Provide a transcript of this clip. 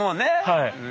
はい。